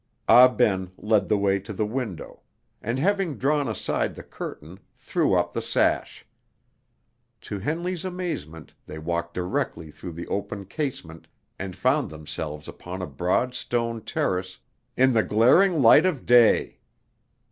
Ah Ben led the way to the window, and having drawn aside the curtain, threw up the sash. To Henley's amazement they walked directly through the open casement and found themselves upon a broad stone terrace in the glaring light of day.